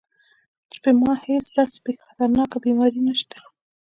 چې پۀ ما هېڅ داسې خطرناکه بيماري نشته -